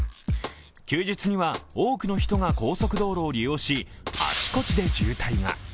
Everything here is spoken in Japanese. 休日には多くの人が高速道路を利用し、あちこちで渋滞が。